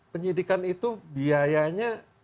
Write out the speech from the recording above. penyidikan itu biayanya